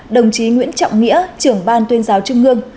đồng chí nguyễn trọng nghĩa trưởng ban tuyên giáo trung ương